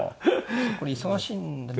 これ忙しいんだ。